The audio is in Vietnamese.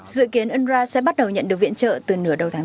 dự kiến unrwa sẽ bắt đầu nhận được viện trợ từ nửa đầu tháng bốn